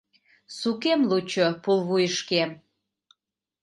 Сукем лучо пулвуйышкем.